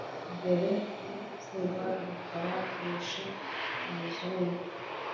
Mbere y’urupfu rwa Rukara wishe umuzungu,